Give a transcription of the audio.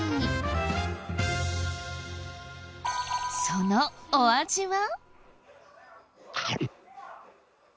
そのお味は？